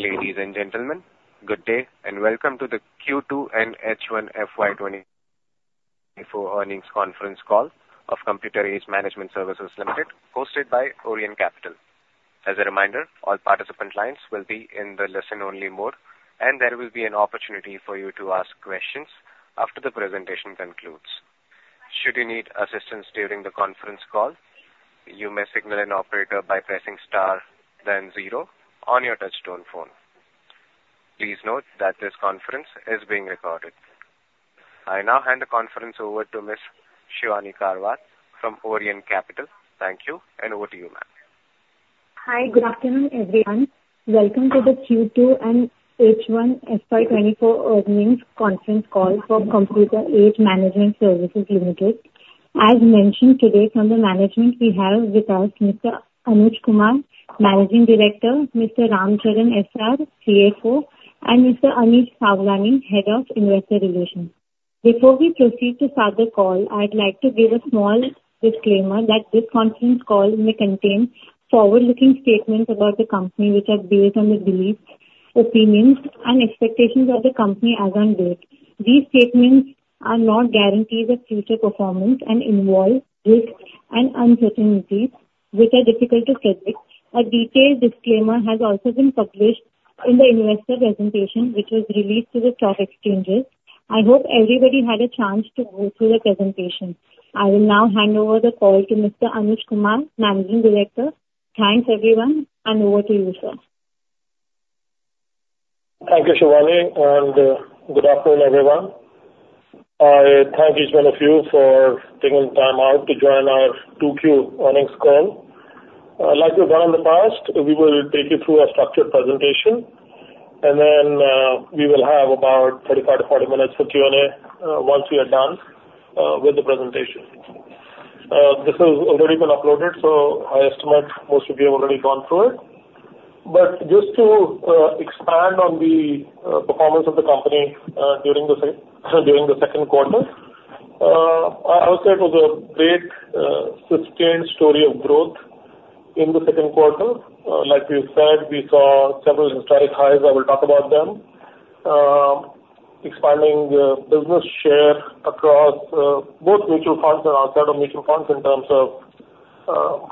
Ladies and gentlemen, good day, and welcome to the Q2 and H1 FY24 earnings conference call of Computer Age Management Services Limited, hosted by Orient Capital. As a reminder, all participant lines will be in the listen-only mode, and there will be an opportunity for you to ask questions after the presentation concludes. Should you need assistance during the conference call, you may signal an operator by pressing star then zero on your touch-tone phone. Please note that this conference is being recorded. I now hand the conference over to Ms. Shivani Karwat from Orient Capital. Thank you, and over to you, ma'am. Hi, good afternoon, everyone. Welcome to the Q2 and H1 FY 2024 earnings conference call for Computer Age Management Services Limited. As mentioned today from the Management, we have with us Mr. Anuj Kumar, Managing Director, Mr. Ramcharan SR, CFO, and Mr. Anish Sawlani, Head of Investor Relations. Before we proceed to start the call, I'd like to give a small disclaimer that this conference call may contain forward-looking statements about the company, which are based on the beliefs, opinions, and expectations of the company as on date. These statements are not guarantees of future performance and involve risks and uncertainties, which are difficult to predict. A detailed disclaimer has also been published in the investor presentation, which was released to the stock exchanges. I hope everybody had a chance to go through the presentation. I will now hand over the call to Mr. Anuj Kumar, Managing Director. Thanks, everyone, and over to you, sir. Thank you, Shivani, and good afternoon, everyone. I thank each one of you for taking time out to join our Q2 earnings call. Like we've done in the past, we will take you through a structured presentation, and then we will have about 35-40 minutes for Q&A once we are done with the presentation. This has already been uploaded, so I estimate most of you have already gone through it. But just to expand on the performance of the company during the second quarter, I would say it was a great sustained story of growth in the second quarter. Like we said, we saw several historic highs. I will talk about them. Expanding the business share across both mutual funds and outside of mutual funds in terms of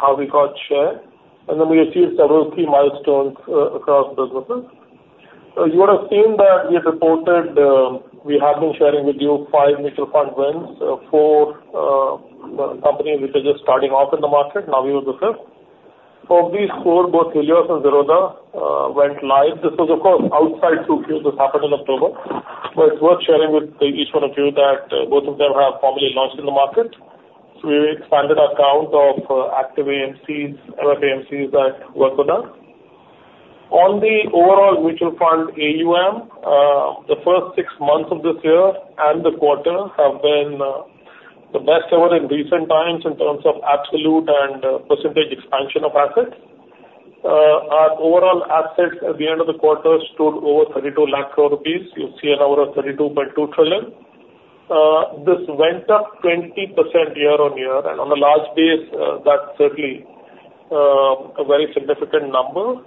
how we got share, and then we achieved several key milestones across businesses. You would have seen that we reported, we have been sharing with you five mutual fund wins. Four companies which are just starting off in the market. Now we are the fifth of these four both Helios and Zerodha went live. This was, of course, outside 2Q. This happened in October, but it's worth sharing with each one of you that both of them have formally launched in the market. So, we've expanded our account of active AMCs, other AMCs that work with us. On the overall mutual fund AUM, the first six months of this year and the quarter have been the best ever in recent times in terms of absolute and percentage expansion of assets. Our overall assets at the end of the quarter stood over 32 lakh crore rupees. You'll see an order of 32.2 trillion. This went up 20% year-on-year, and on a large base, that's certainly a very significant number.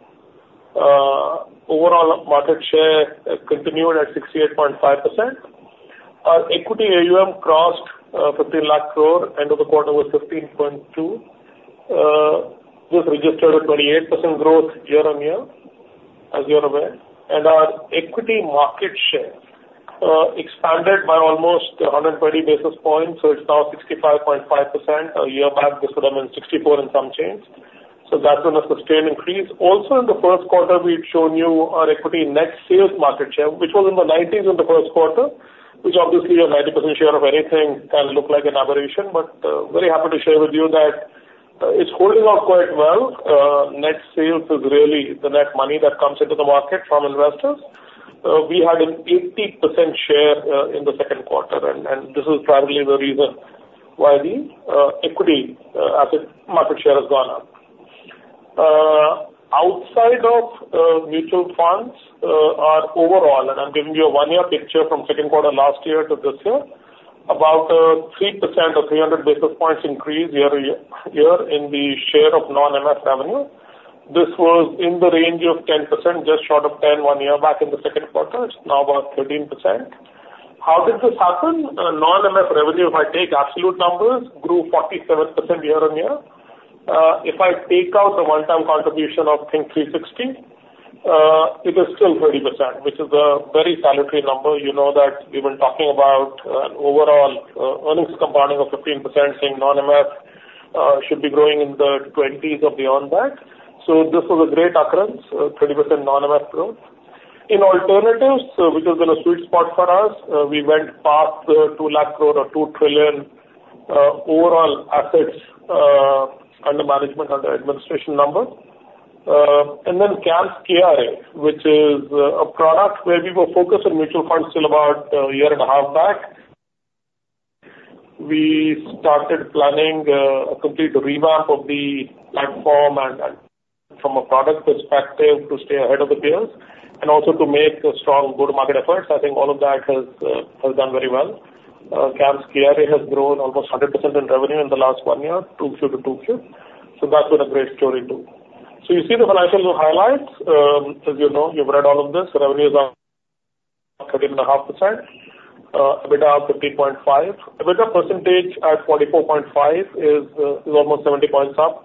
Overall market share continued at 68.5%. Our equity AUM crossed 15 lakh crore; end of the quarter was 15.2 trillion. This registered a 28% growth year-on-year, as you're aware. And our equity market share expanded by almost 130 basis points, so it's now 65.5%. A year back, this would have been 64 and some change, so that's been a sustained increase. Also, in the first quarter, we've shown you our equity net sales market share, which was in the 90s in the first quarter, which obviously a 90% share of anything can look like an aberration, but, very happy to share with you that, it's holding up quite well. Net sales is really the net money that comes into the market from investors. We had an 80% share, in the second quarter, and, and this is probably the reason why the, equity, asset market share has gone up. Outside of mutual funds, our overall, and I'm giving you a one-year picture from second quarter last year to this year, about 3% or 300 basis points increase year-over-year, in the share of non-MF revenue. This was in the range of 10%, just short of 10 one year back in the second quarter. It's now about 13%. How did this happen, non-MF revenue, if I take absolute numbers, grew 47% year-on-year. If I take out the one-time contribution of Think360, it is still 30%, which is a very salutary number. You know that we've been talking about an overall earnings compounding of 15%, saying non-MF should be growing in the 20s or beyond that. So, this was a great occurrence, 30% non-MF growth. In alternatives, which has been a sweet spot for us, we went past 2 lakh crore or 2 trillion overall assets under management, under administration number. And then CAMS KRA, which is a product where we were focused on mutual funds till about a year and a half back. We started planning a complete revamp of the platform and, and from a product perspective, to stay ahead of the curve... and also to make a strong go-to-market efforts. I think all of that has has done very well. CAMS KRA has grown almost 100% in revenue in the last one year, 2Q to 2Q. So that's been a great story, too. So, you see the financial highlights. As you know, you've read all of this. Revenues are 13.5%, EBITDA up 15.5%, EBITDA percentage at 44.5% is almost 70 points up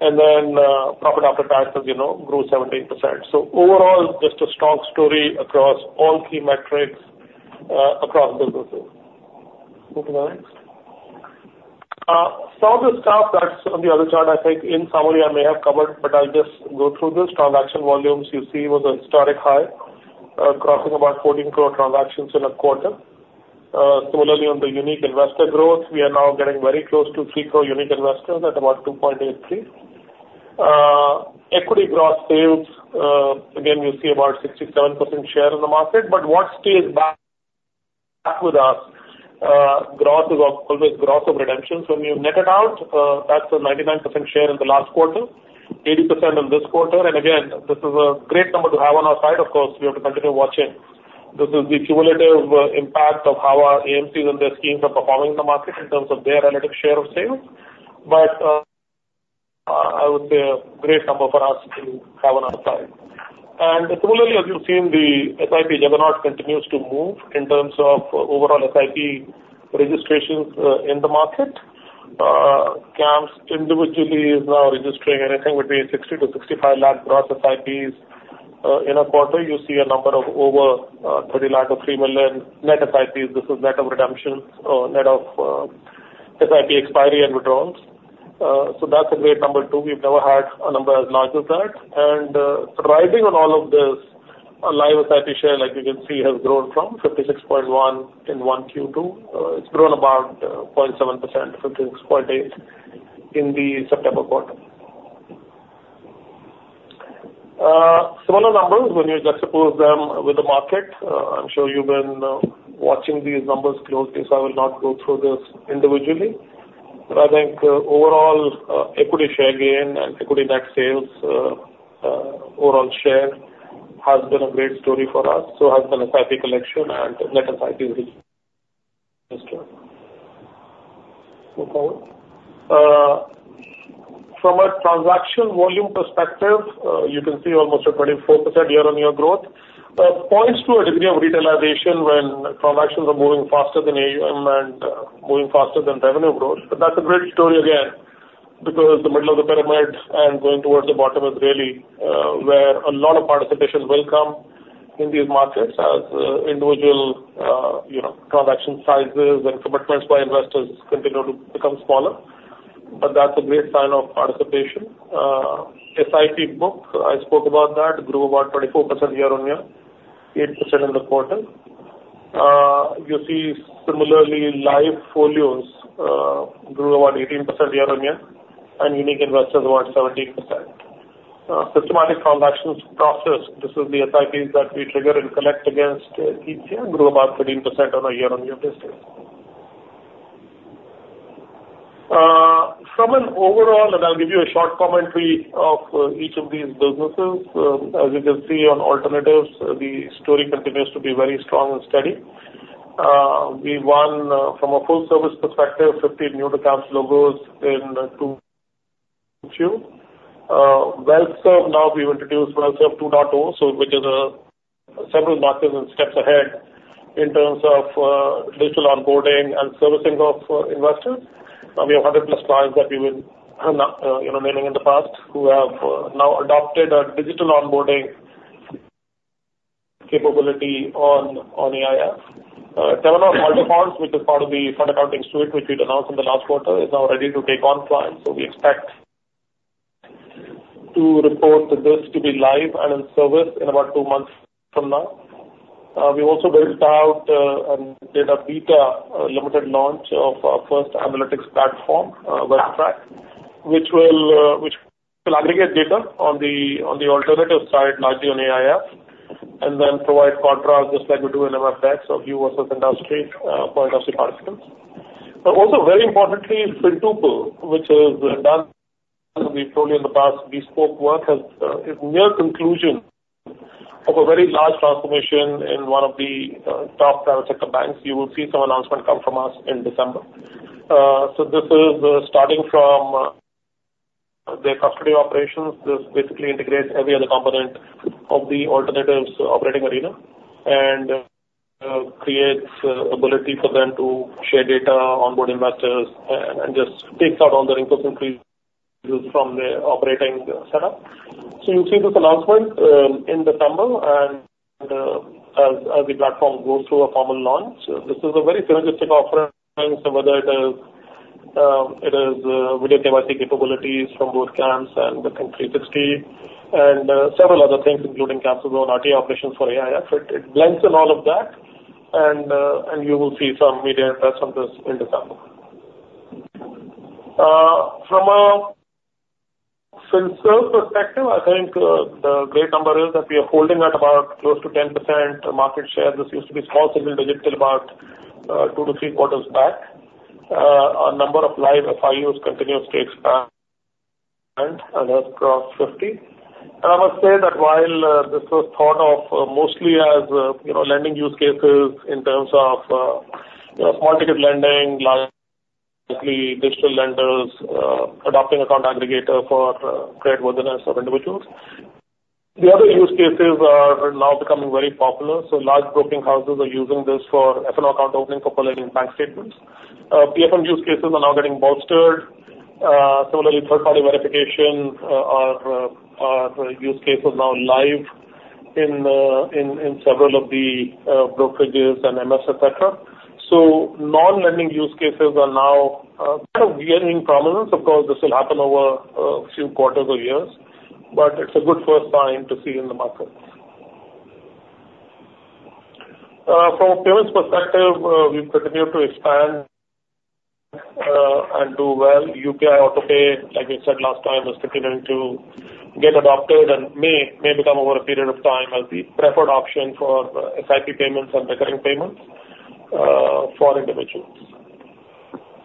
year-on-year. Then, profit after tax, as you know, grew 17%. So overall, just a strong story across all key metrics across the business. Go to the next. Some of the stuff that's on the other chart, I think, in summary, I may have covered, but I'll just go through this. Transaction volumes you see was a historic high, crossing about 14 crore transactions in a quarter. Similarly, on the unique investor growth, we are now getting very close to 3 crore unique investors at about 2.83 crore. Equity gross sales, again, you see about 67% share in the market. But what stays back, back with us, growth is always growth of redemptions. When you net it out, that's a 99% share in the last quarter, 80% in this quarter. And again, this is a great number to have on our side. Of course, we have to continue watching. This is the cumulative impact of how our AMCs and their schemes are performing in the market in terms of their relative share of sales. But I would say a great number for us to have on our side. And similarly, as you've seen, the SIP juggernaut continues to move in terms of overall SIP registrations, in the market. CAMS individually is now registering anything between 60-65 lakh gross SIPs. In a quarter, you see a number of over 30 lakh or 3 million net SIPs. This is net of redemptions or net of, SIP expiry and withdrawals. So that's a great number, too. We've never had a number as large as that. And, thriving on all of this, our live SIP share, like you can see, has grown from 56.1 in 1Q to its grown about 0.7% per day in the September quarter. Similar numbers when you juxtapose them with the market. I'm sure you've been watching these numbers closely, so I will not go through this individually. But I think, overall, equity share gain and equity mix sales, overall share has been a great story for us. So has been SIP collection and net SIP release. Next slide. Move forward. From a transaction volume perspective, you can see almost a 24% year-on-year growth. Points to a degree of retailization when transactions are moving faster than AUM and moving faster than revenue growth. But that's a great story again, because the middle of the pyramid and going towards the bottom is really where a lot of participation will come in these markets as individual, you know, transaction sizes and commitments by investors continue to become smaller. But that's a great sign of participation. SIP booked, I spoke about that, grew about 24% year-on-year, 8% in the quarter. You see similarly, live folios grew about 18% year-on-year, and unique investors about 17%. Systematic transactions process, this is the SIPs that we trigger and collect against each year, grew about 13% on a year-on-year basis. From an overall, and I'll give you a short commentary of each of these businesses. As you can see on alternatives, the story continues to be very strong and steady. We won, from a full-service perspective, 50 new to CAMS logos in 2Q. WealthServ, now we've introduced WealthServ 2.0, so which is several markers and steps ahead in terms of digital onboarding and servicing of investors. And we have 100+ clients that we will, you know, naming in the past, who have now adopted a digital onboarding capability on AIF. Temenos Multifonds, which is part of the fund accounting suite, which we'd announced in the last quarter, is now ready to take on clients. So we expect to report this to be live and in service in about two months from now. We also built out and did a beta limited launch of our first analytics platform, WealthTrak, which will aggregate data on the alternative side, largely on AIF, and then provide contrast, just like we do on our backs of you view versus industry, for industry participants. But also, very importantly, Fintuple, which is done, we've told you in the past, bespoke work has is near conclusion of a very large transformation in one of the top private sector banks. You will see some announcement come from us in December. So this is starting from their custody operations. This basically integrates every other component of the alternatives operating arena and creates ability for them to share data, onboard investors, and just takes out all the inconsistencies used from their operating setup. So you'll see this announcement in December and as the platform goes through a formal launch. This is a very synergistic offering, so whether it is video KYC capabilities from both CAMS and Think360, and several other things, including CAMS KRA and RTA operations for AIF. It blends in all of that, and you will see some media ads on this in December. From a FinServ perspective, I think the great number is that we are holding at about close to 10% market share. This used to be small single digit till about two to three quarters back. A number of live FIUs continuously takes time and has crossed 50. I must say that while this was thought of mostly as, you know, lending use cases in terms of, you know, small ticket lending, like, mostly digital lenders adopting Account Aggregator for creditworthiness of individuals. The other use cases are now becoming very popular, so large broking houses are using this for F&O account opening for collating bank statements. PFM use cases are now getting bolstered. Similarly, third-party verification are use cases now live in several of the brokerages and MFs, etc. So non-lending use cases are now kind of gaining prominence. Of course, this will happen over a few quarters or years, but it's a good first sign to see in the market. From a payments perspective, we've continued to expand and do well. UPI AutoPay, like I said last time, is continuing to get adopted and may become over a period of time, as the preferred option for SIP payments and recurring payments for individuals.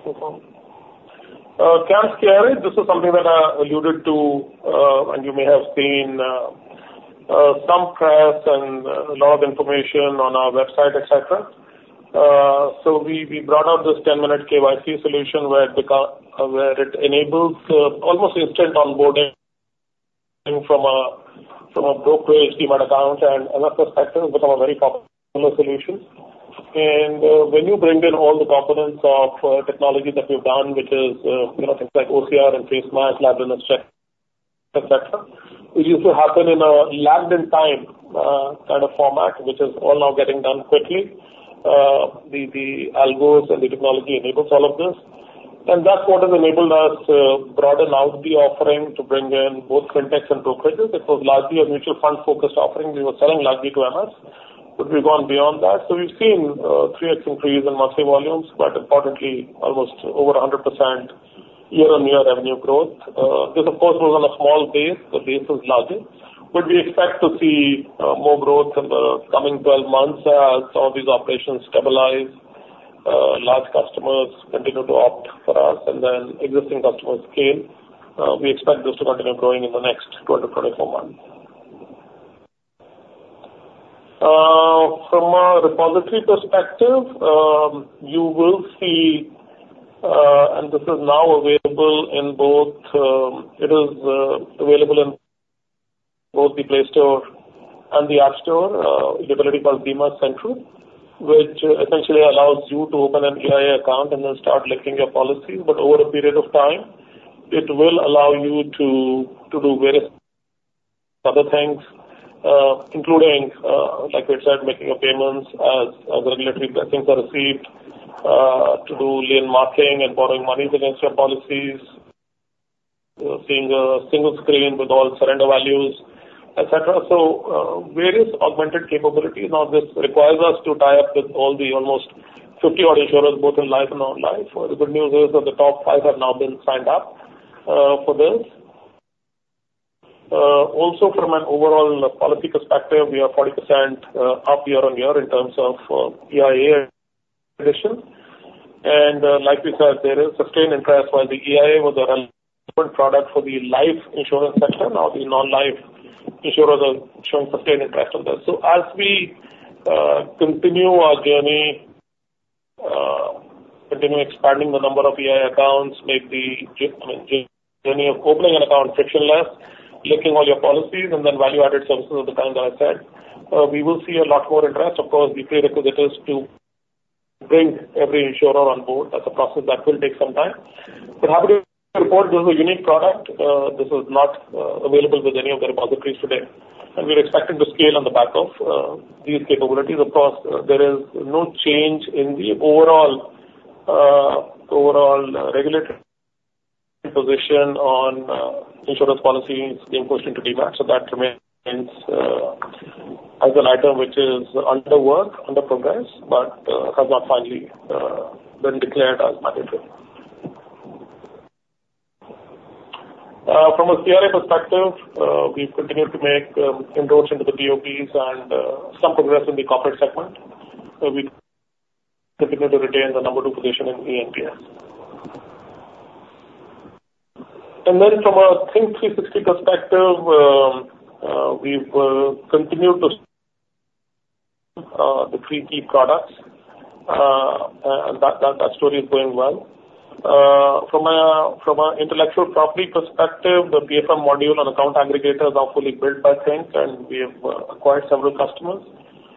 KYC, this is something that I alluded to, and you may have seen some press and a lot of information on our website, et cetera. So we brought out this 10-minute KYC solution where it enables almost instant onboarding from a brokerage Demat account, and from that perspective, it's become a very popular solution. When you bring in all the components of technology that we've done, which is, you know, things like OCR and face match, liveness check, et cetera, it used to happen in a lagged in time kind of format, which is all now getting done quickly. The algos and the technology enables all of this, and that's what has enabled us broaden out the offering to bring in both Fintechs and brokerages. It was largely a mutual fund-focused offering. We were selling largely to MFs, but we've gone beyond that. We've seen a 3x increase in monthly volumes, but importantly, almost over 100% year-on-year revenue growth. This, of course, was on a small base. The base is larger, but we expect to see more growth in the coming 12 months as some of these operations stabilize, large customers continue to opt for us, and then existing customers scale. We expect this to continue growing in the next 12-24 months. From a repository perspective, you will see, and this is now available in both the Play Store and the App Store, capability called Bima Central, which essentially allows you to open an eIA account and then start linking your policies. But over a period of time, it will allow you to do various other things, including, like I said, making payments as the regulatory blessings are received, to do lien marking and borrowing money against your policies. We're seeing a single screen with all surrender values, et cetera. So, various augmented capabilities. Now, this requires us to tie up with all the almost 50 odd insurers, both in life and non-life. The good news is that the top five have now been signed up, for this. Also from an overall policy perspective, we are 40% up year-on-year in terms of, eIA addition. And, like we said, there is sustained interest. While the eIA was an important product for the life insurance sector, now the non-life insurers are showing sustained interest on this. So, as we, continue our journey, continue expanding the number of eIA accounts, make the journey of opening an account frictionless, linking all your policies and then value-added services of the kind that I said, we will see a lot more interest. Of course, the prerequisite is to bring every insurer on board. That's a process that will take some time. But happy to report this is a unique product. This is not available with any of the repositories today, and we're expecting to scale on the back of these capabilities. Of course, there is no change in the overall overall regulatory position on insurance policies being pushed into Demat. So that remains as an item which is under work, under progress, but has not finally been declared as mandatory. From a KRA perspective, we've continued to make inroads into the POPs and some progress in the corporate segment. We continue to retain the number two position in eNPS. Then from a Think360 perspective, we've continued to the three key products, and that story is going well. From an intellectual property perspective, the PFM module and Account Aggregator is now fully built by Think360, and we have acquired several customers.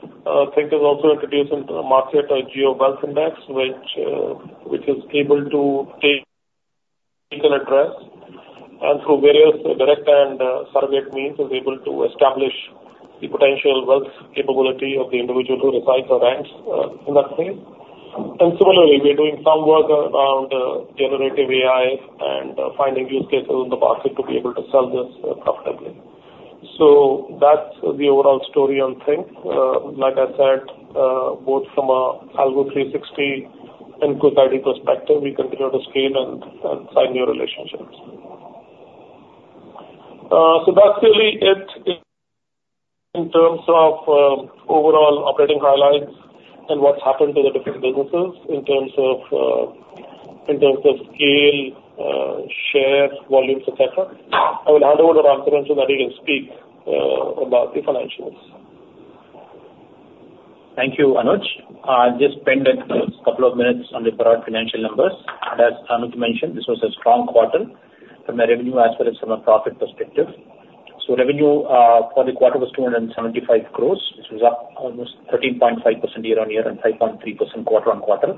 Think360 is also introducing to the market a GeoWealth Index, which is able to take legal address and through various direct and surrogate means, is able to establish the potential wealth capability of the individual who resides or rents in that space. And similarly, we are doing some work around generative AI and finding use cases in the market to be able to sell this profitably. So that's the overall story on Think360. Like I said, both from an Algo360 and Kwik.ID perspective, we continue to scale and sign new relationships. So that's really it in terms of overall operating highlights and what's happened to the different businesses in terms of scale, share, volumes, et cetera. I will hand over to Ramcharan to speak about the financials. Thank you, Anuj. I'll just spend a couple of minutes on the broad financial numbers. As Anuj mentioned, this was a strong quarter from a revenue as well as from a profit perspective. So revenue for the quarter was 275 crore, which was up almost 13.5% year-on-year and 5.3% quarter-on-quarter.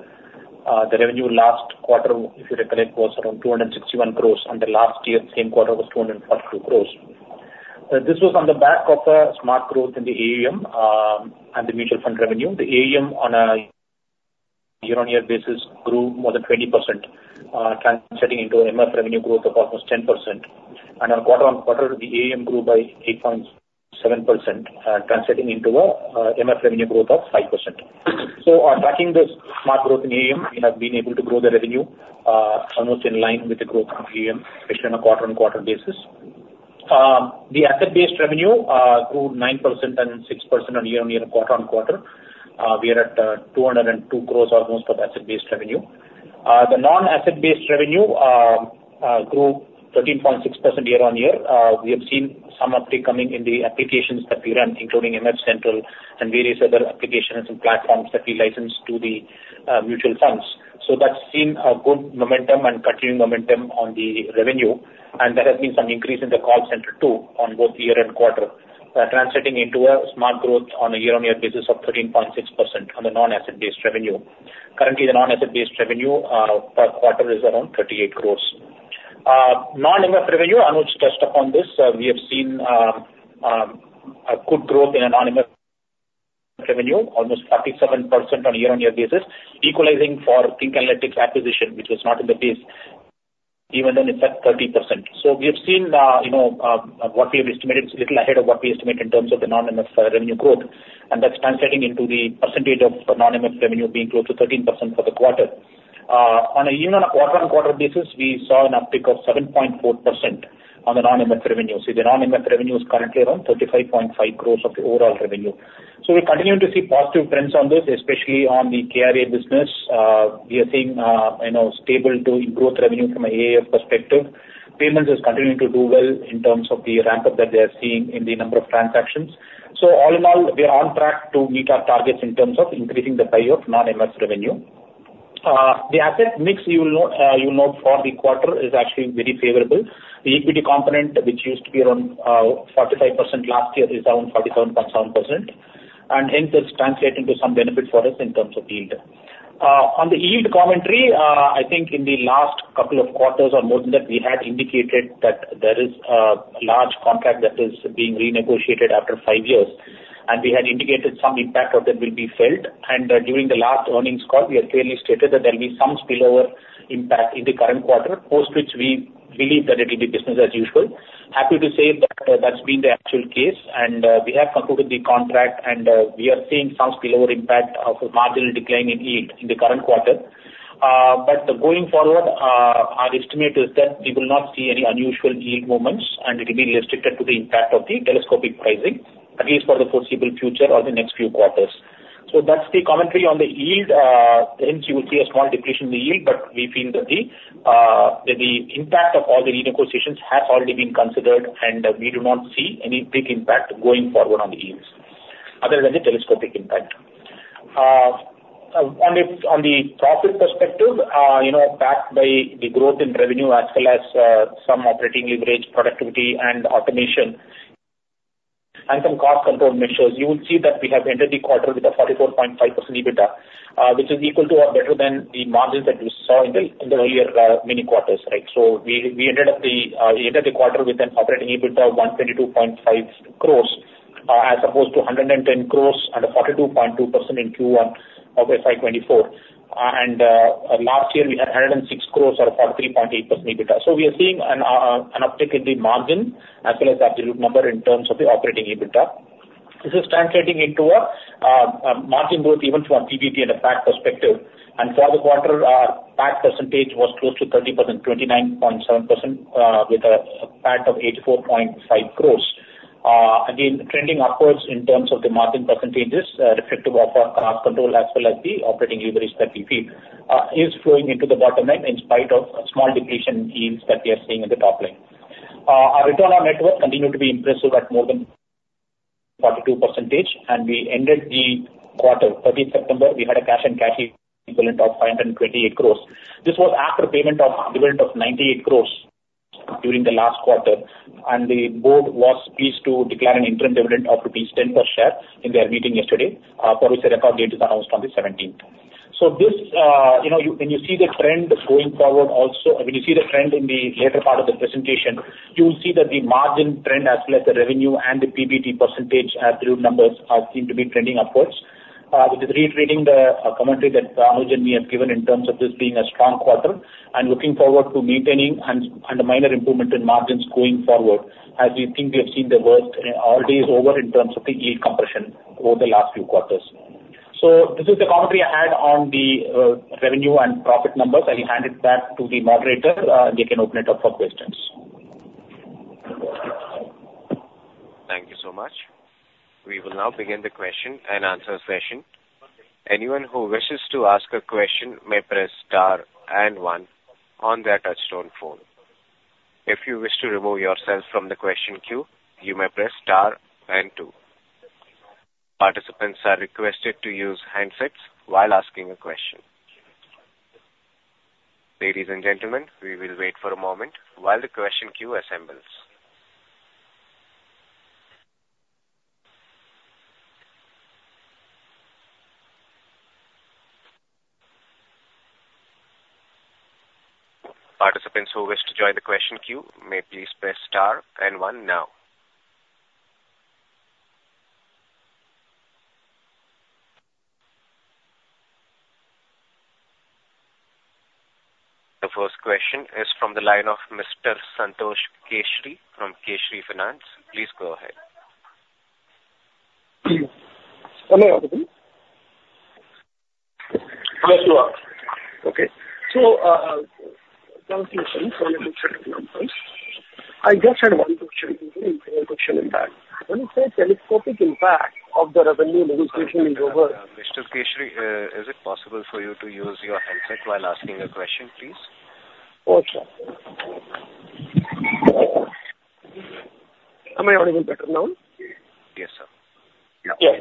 The revenue last quarter, if you recall, it was around 261 crore, and the last year, same quarter, was 242 crore. This was on the back of a smart growth in the AUM, and the mutual fund revenue. The AUM on a year-on-year basis grew more than 20%, translating into MF revenue growth of almost 10%. And on quarter-on-quarter, the AUM grew by 8.7%, translating into a MF revenue growth of 5%. So on tracking this smart growth in AUM, we have been able to grow the revenue, almost in line with the growth of AUM, especially on a quarter-on-quarter basis. The asset-based revenue grew 9% and 6% on year-on-year and quarter-on-quarter. We are at almost 202 crore of asset-based revenue. The non-asset-based revenue grew 13.6% year-on-year. We have seen some uptick coming in the applications that we run, including MFCentral and various other applications and platforms that we license to the mutual funds. So that's seen a good momentum and continued momentum on the revenue, and there has been some increase in the call center, too, on both year and quarter. Translating into a smart growth on a year-on-year basis of 13.6% on the non-asset-based revenue. Currently, the non-asset-based revenue per quarter is around 38 crore. Non-MF revenue, Anuj touched upon this. We have seen a good growth in non-MF revenue, almost 37% on a year-on-year basis, equalizing for Think Analytics acquisition, which was not in the base, even then it's at 30%. So we have seen, you know, what we have estimated, it's little ahead of what we estimate in terms of the non-MF revenue growth, and that's translating into the percentage of non-MF revenue being close to 13% for the quarter. On a year and a quarter-on-quarter basis, we saw an uptick of 7.4% on the non-MF revenue. So the non-MF revenue is currently around 35.5 crore of the overall revenue. So we're continuing to see positive trends on this, especially on the KRA business. We are seeing, you know, stable to improved revenue from AUM perspective. Payments is continuing to do well in terms of the ramp-up that we are seeing in the number of transactions. So all in all, we are on track to meet our targets in terms of increasing the pie of non-MF revenue. The asset mix you will note, you'll note for the quarter is actually very favorable. The equity component, which used to be around, 45% last year, is around 47.7%, and hence it's translating to some benefit for us in terms of yield. On the yield commentary, I think in the last couple of quarters or more than that, we had indicated that there is a large contract that is being renegotiated after five years, and we had indicated some impact of that will be felt. During the last earnings call, we have clearly stated that there will be some spillover impact in the current quarter, post which we believe that it will be business as usual. Happy to say that, that's been the actual case, and we have concluded the contract, and we are seeing some spillover impact of a marginal decline in yield in the current quarter. But going forward, our estimate is that we will not see any unusual yield movements, and it will be restricted to the impact of the telescopic pricing, at least for the foreseeable future or the next few quarters. So that's the commentary on the yield. Hence, you will see a small depletion in the yield, but we feel that the impact of all the renegotiations has already been considered, and we do not see any big impact going forward on the yields, other than the telescopic pricing impact. On the profit perspective, you know, backed by the growth in revenue as well as some operating leverage, productivity and automation, and some cost control measures, you will see that we have entered the quarter with a 44.5% EBITDA, which is equal to or better than the margins that you saw in the earlier many quarters, right? So we ended the quarter with an operating EBITDA of 122.5 crore, as opposed to 110 crore and a 42.2% in Q1 of FY 2024. And last year, we had 106 crore or 43.8% EBITDA. So we are seeing an uptick in the margin as well as the absolute number in terms of the operating EBITDA. This is translating into a margin growth even from a PBT and a PAT perspective. For the quarter, our PAT percentage was close to 30%, 29.7%, with a PAT of 84.5 crores. Again, trending upwards in terms of the margin percentages, reflective of our cost control as well as the operating leverage that we feel is flowing into the bottom line, in spite of a small depletion in yields that we are seeing in the top line. Our return on net worth continued to be impressive at more than 42%, and we ended the quarter, thirtieth September, we had a cash and cash equivalents of 528 crores. This was after payment of dividend of 98 crore during the last quarter, and the board was pleased to declare an interim dividend of rupees 10 per share in their meeting yesterday, for which the record date is announced on the seventeenth. So this, you know, you-- when you see the trend going forward also-- when you see the trend in the later part of the presentation, you'll see that the margin trend as well as the revenue and the PBT percentage absolute numbers seem to be trending upwards which is reiterating the, commentary that Anuj and me have given in terms of this being a strong quarter and looking forward to maintaining and, and a minor improvement in margins going forward, as we think we have seen the worst, already is over in terms of the yield compression over the last few quarters.... So this is the commentary I had on the, revenue and profit numbers. I'll hand it back to the moderator, they can open it up for questions. Thank you so much. We will now begin the Q&A session. Anyone who wishes to ask a question may press star and one on their touch-tone phone. If you wish to remove yourself from the question queue, you may press star and two. Participants are requested to use handsets while asking a question. Ladies and gentlemen, we will wait for a moment while the question queue assembles. Participants who wish to join the question queue may please press star and one now. The first question is from the line of Mr. Santosh Keshri from Keshri Finance. Please go ahead. Am I audible? Yes, you are. Okay. So, congratulations on a good set of numbers. I just had one question, and one question in fact. When you say telescopic impact of the revenue negotiation is over- Mr. Keshri, is it possible for you to use your headset while asking a question, please? Okay, sure. Am I audible better now? Yes, sir. Yes.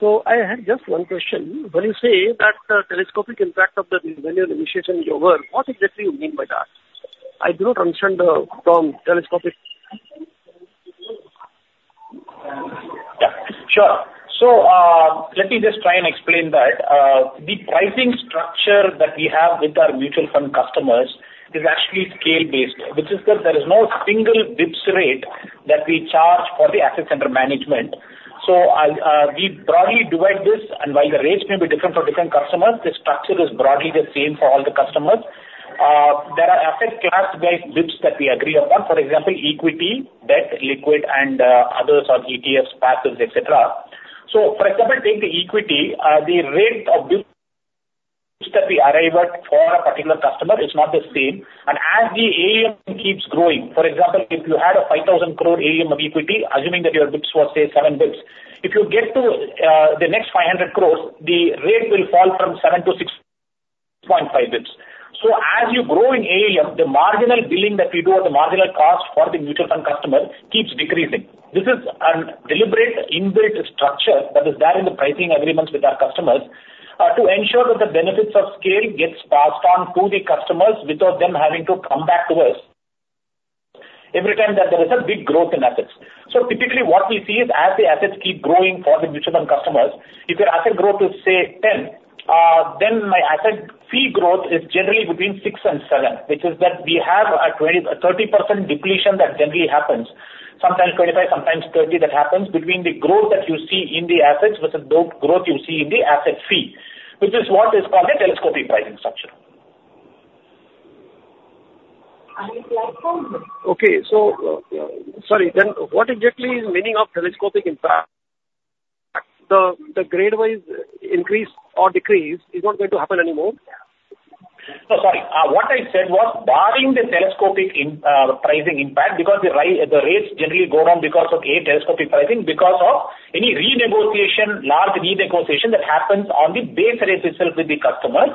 So I had just one question. When you say that the telescopic impact of the revenue initiation is over, what exactly you mean by that? I do not understand the term telescopic. Yeah, sure. So, let me just try and explain that. The pricing structure that we have with our mutual fund customers is actually scale-based, which is that there is no single bps rate that we charge for the asset under management. So, I'll, we broadly divide this, and while the rates may be different for different customers, the structure is broadly the same for all the customers. There is asset class-based bps that we agree upon. For example, equity, debt, liquid and others or ETFs, Passives, et cetera. So, for example, take the equity, the rate of this that we arrive at for a particular customer is not the same. As the AUM keeps growing, for example, if you had 5,000 crore AUM of equity, assuming that your bps was, say, 7 bps if you get to the next 500 crore, the rate will fall from 7 bps-6.5 bps. So, as you grow in AUM, the marginal billing that we do or the marginal cost for the mutual fund customer keeps decreasing. This is a deliberate inbuilt structure that is there in the pricing agreements with our customers, to ensure that the benefit of scale gets passed on to the customers without them having to come back to us every time that there is a big growth in assets. Typically, what we see is as the assets keep growing for the mutual fund customers, if your asset growth is, say, 10, then my asset fee growth is generally between 6 and 7, which is that we have a 20%-30% depletion that generally happens, sometimes 25%, sometimes 30%, that happens between the growth that you see in the assets versus the growth you see in the asset fee, which is what is called a telescoping pricing structure. Okay. So, sorry, then what exactly is the meaning of telescopic impact? The grade-wise increase or decrease is not going to happen anymore? No, sorry. What I said was, barring the telescopic pricing impact, because the rates generally go down because of, A telescopic pricing, because of any renegotiation, large renegotiation that happens on the base rates itself with the customer.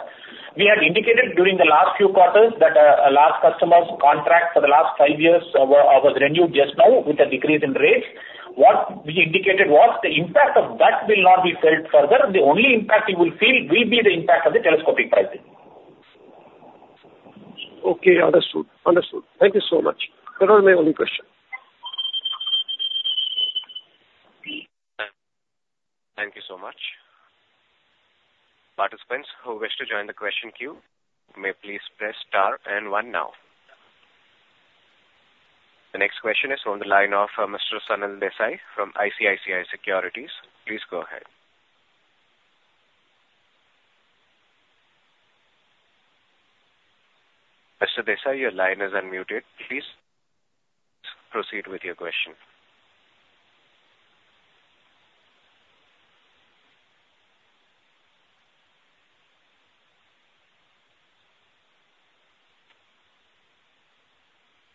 We had indicated during the last few quarters that, a large customer's contract for the last 5 years was renewed just now with a decrease in rates. What we indicated was the impact of that will not be felt further. The only impact you will feel will be the impact of the telescopic pricing. Okay, understood. Understood. Thank you so much. That was my only question. Thank you so much. Participants who wish to join the question queue may please press star and one now. The next question is on the line of Mr. Sanil Desai from ICICI Securities. Please go ahead. Mr. Desai, your line is unmuted. Please proceed with your question.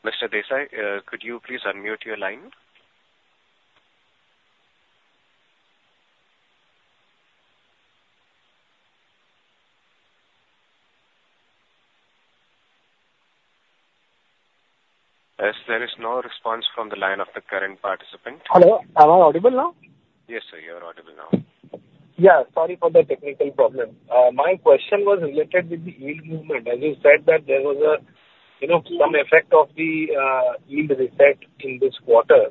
Mr. Desai, could you please unmute your line? As there is no response from the line of the current participant. Hello, am I audible now? Yes, sir, you are audible now. Yeah, sorry for the technical problem. My question was related with the yield movement. As you said that there was a, you know, some effect of the yield reset in this quarter.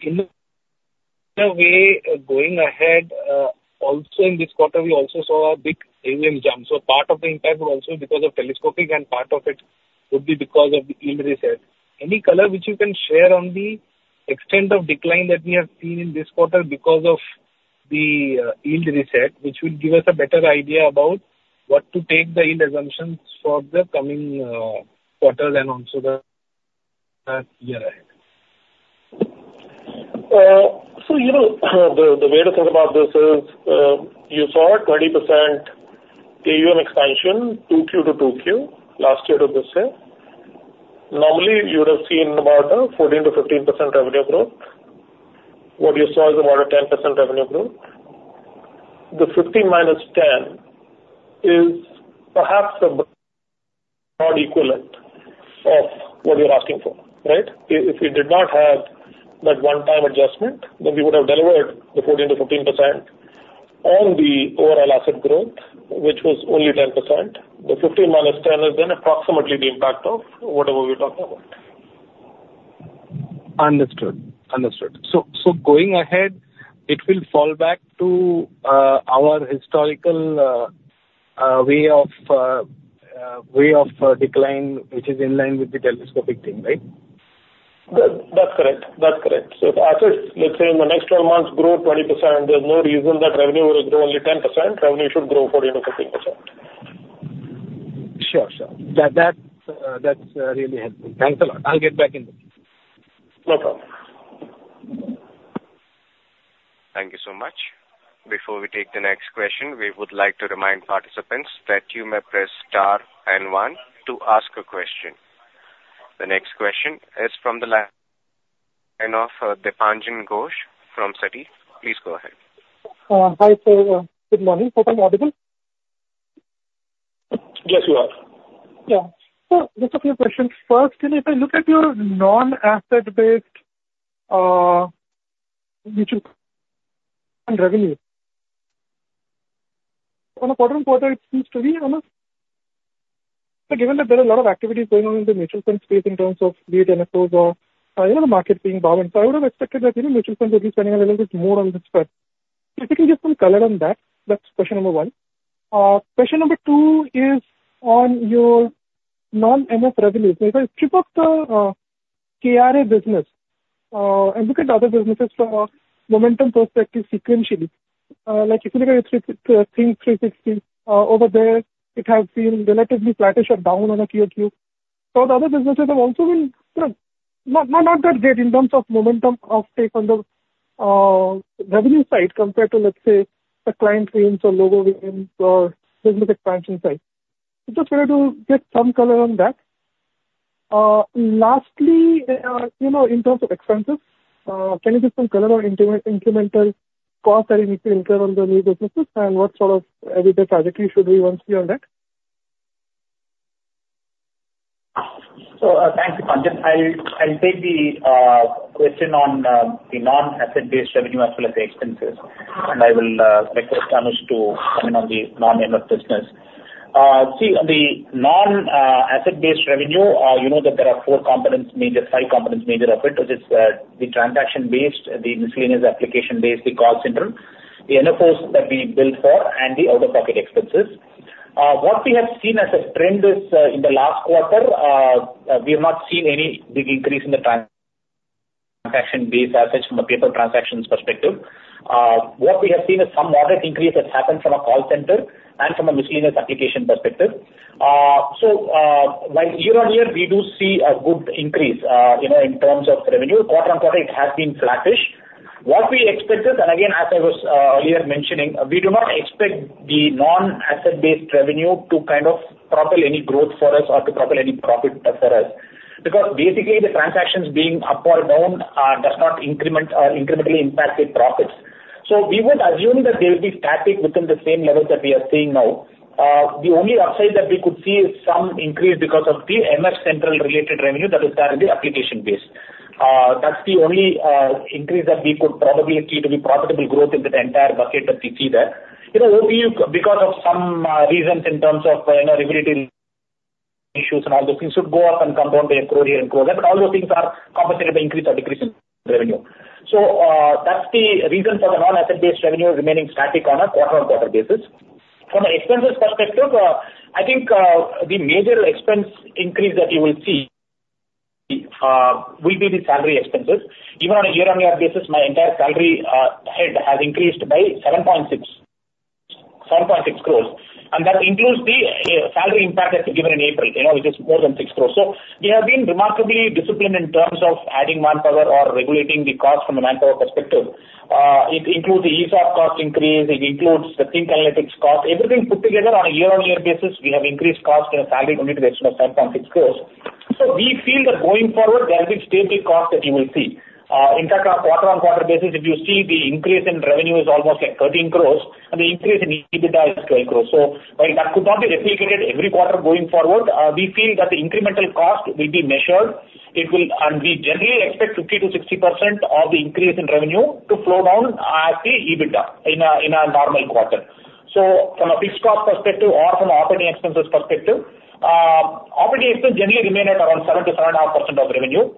In a way, going ahead, also in this quarter, we also saw a big AUM jump. So, part of the impact was also because of telescopic, and part of it would be because of the yield reset. Any color which you can share on the extent of decline that we have seen in this quarter because of the yield reset, which will give us a better idea about what to take the yield assumptions for the coming quarter and also the year ahead? So, you know, the, the way to think about this is, you saw a 20% AUM expansion, 2Q to 2Q, last year to this year. Normally, you would have seen about a 14%-15% revenue growth. What you saw is about a 10% revenue growth. The 15 minus 10 is perhaps a bar equivalent of what you're asking for, right? If, if we did not have that one-time adjustment, then we would have delivered the 14%-15% on the overall asset growth, which was only 10%. The 15 minus 10 is then approximately the impact of whatever we're talking about. Understood. Understood. So going ahead, it will fall back to our historical way of decline, which is in line with the telescopic thing, right? That, that's correct. That's correct. So if assets, let's say, in the next 12 months grow 20%, there's no reason that revenue will grow only 10%. Revenue should grow 14%-15%. Sure. Sure. That, that's really helpful. Thanks a lot. I'll get back in touch. No problem. Thank you so much. Before we take the next question, we would like to remind participants that you may press star and one to ask a question. The next question is from the line of, Dipanjan Ghosh from Citi. Please go ahead. H i, sir. Good morning. Hope I'm audible? Yes, you are. Yeah. So just a few questions. First, if I look at your non-asset-based mutual and revenue, on a quarter-on-quarter, it seems to be almost on flattish side. So, given that there are a lot of activities going on in the mutual fund space in terms of be it NFOs or, you know, the market being bull. So, I would have expected that, you know, mutual funds will be spending a little bit more on this front. If you can give some color on that. That's question number one. Question number two is on your non-MF revenue. So, if I strip off the KRA business and look at the other businesses from a momentum perspective sequentially, like if you look at Think360, over there, it has been relatively flattish or down on a Q-o-Q. So the other businesses have also been, you know, not, not, not that great in terms of momentum of take on the revenue side, compared to, let's say, the client wins or logo wins or business expansion side. I just wanted to get some color on that. Lastly, you know, in terms of expenses, can you give some color on increment, incremental costs that you need to incur on the new businesses, and what sort of everyday trajectory should we even see on that? So, thank you, Dipanjan. I'll take the question on the non-asset-based revenue as well as the expenses, and I will request Anuj to come in on the non-MF business. See, on the non-asset-based revenue, you know that there are four components, major five components, major of it, which is the transaction-based, the miscellaneous application-based, the call center, the NFOs that we built for, and the out-of-pocket expenses. What we have seen as a trend is, in the last quarter, we have not seen any big increase in the transaction-based assets from a paper transactions perspective. What we have seen is some moderate increase that's happened from a call center and from a miscellaneous application perspective. So, while year-on-year, we do see a good increase, you know, in terms of revenue. Quarter-on-quarter, it has been flattish. What we expected, and again, as I was earlier mentioning, we do not expect the non-asset-based revenue to kind of propel any growth for us or to propel any profit for us. Because basically, the transactions being up or down does not increment or incrementally impact the profits. So, we would assume that they'll be static within the same levels that we are seeing now. The only upside that we could see is some increase because of the MFCentral related revenue that is currently application base. That's the only increase that we could probably see to be profitable growth in that entire bucket that we see there. You know, OP, because of some reasons in terms of, you know, liquidity issues and all those things, should go up and come down by INR 1 crore here and INR 1 crore there, but all those things are compensated by increase or decrease in revenue. So, that's the reason for the non-asset-based revenue remaining static on a quarter-on-quarter basis. From an expenses perspective, I think, the major expense increase that you will see, will be the salary expenses. Even on a year-on-year basis, my entire salary head has increased by 7.6 crores, 7.6 crores, and that includes the salary impact that we given in April, you know, which is more than 6 crores. So we have been remarkably disciplined in terms of adding manpower or regulating the cost from the manpower perspective. It includes the ESOP cost increase, it includes the Think Analytics cost. Everything put together on a year-on-year basis, we have increased cost in a salary only to the extent of 7.6 crore. So we feel that going forward, there will be stable cost that you will see. In fact, on a quarter-on-quarter basis, if you see the increase in revenue is almost like 13 crore, and the increase in EBITDA is 12 crore. So while that could not be replicated every quarter going forward, we feel that the incremental cost will be measured. It will. And we generally expect 50%-60% of the increase in revenue to flow down as the EBITDA in a, in a normal quarter. So from a fixed cost perspective or from an operating expenses perspective, operating expenses generally remain at around 7 to 7.5% of revenue,